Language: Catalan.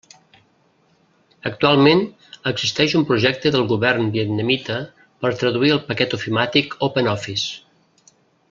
Actualment existeix un projecte del Govern vietnamita per traduir el paquet ofimàtic OpenOffice.